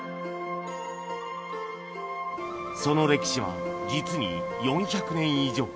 その歴史は実に４００年以上